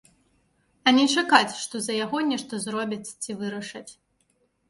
А не чакаць, што за яго нешта зробяць ці вырашаць.